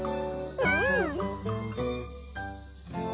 うん！